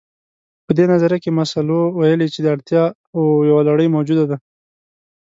په دې نظريه کې مسلو ويلي چې د اړتياوو يوه لړۍ موجوده ده.